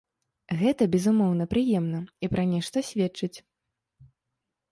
Гэта, безумоўна, прыемна, і пра нешта сведчыць.